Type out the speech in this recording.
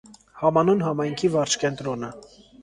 Համանուն համայնքի վարչկենտրոնը։